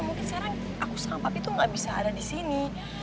mungkin sekarang aku sama papi tuh gak bisa ada di sini